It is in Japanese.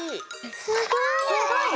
すごい！